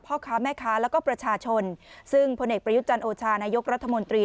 พ่อค้าแม่ค้าแล้วก็ประชาชนซึ่งพลเอกประยุทธ์จันโอชานายกรัฐมนตรี